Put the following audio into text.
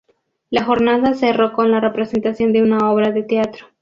La jornada cerró con la representación de una obra de teatro.